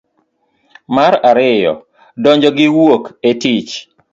mar ariyo. donjo gi wuok e tich.